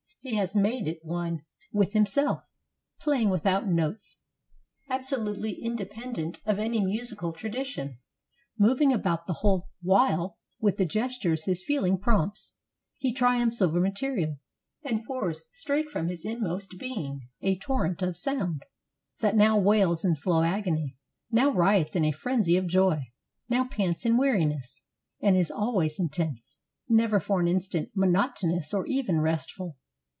He has made it one with himself. Playing without notes, absolutely independ 405 AUSTRIA HUNGARY ent of any musical tradition, moving about the whole while with the gestures his feeling prompts, he triumphs over material, and pours straight from his inmost being a torrent of sound, that now wails in slow agony, now riots in a frenzy of joy, now pants in weariness, and is always intense, never for an instant monotonous or even restful.